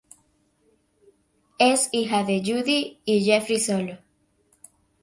Es hija de Judy y Jeffrey Solo.